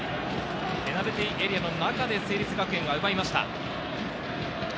ペナルティエリアの中で成立学園が奪いました。